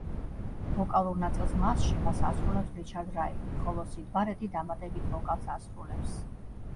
ვოკალურ ნაწილს მასში მას ასრულებს რიჩარდ რაიტი, ხოლო სიდ ბარეტი დამატებით ვოკალს ასრულებს.